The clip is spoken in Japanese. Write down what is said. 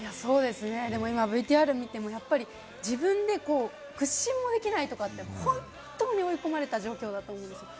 そうですね、今ＶＴＲ見ても、自分で屈伸もできないとか本当に追い込まれた状況だと思うんですよ。